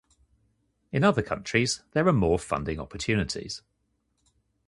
In other countries there are more funding opportunities.